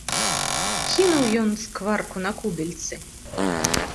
Кінуў ён скварку на кубельцы.